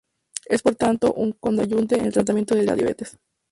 Es por tanto un coadyuvante en el tratamiento de la diabetes.